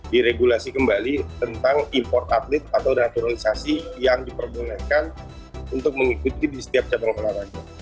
diregulasi kembali tentang import atlet atau naturalisasi yang diperbolehkan untuk mengikuti di setiap cabang olahraga